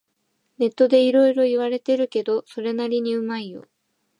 ネットでいろいろ言われてるけど、それなりにうまいよ